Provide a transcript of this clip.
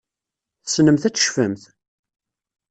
Tessnemt ad tecfemt?